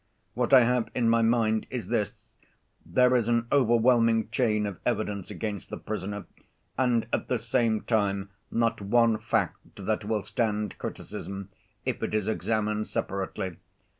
What I have in my mind is this: there is an overwhelming chain of evidence against the prisoner, and at the same time not one fact that will stand criticism, if it is examined separately.